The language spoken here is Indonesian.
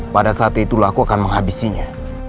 pada saat itulah aku akan menghabisinya